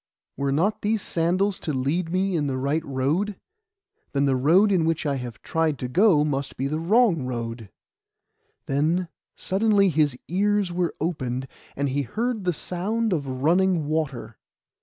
Were not these sandals to lead me in the right road? Then the road in which I have tried to go must be a wrong road.' Then suddenly his ears were opened, and he heard the sound of running water.